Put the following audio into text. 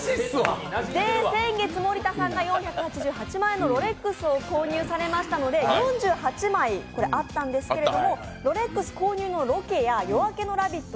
先月、森田さんが４８８万円のロレックスを購入されましたので４８枚あったんですけれどもロレックス購入のロケや「夜明けのラヴィット！」